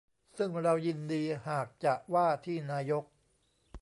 ซึ่งเรายินดีหากจะว่าที่นายก